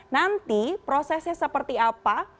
nanti prosesnya seperti apa